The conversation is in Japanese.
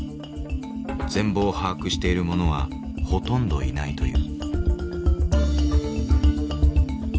全貌を把握している者はほとんどいないという。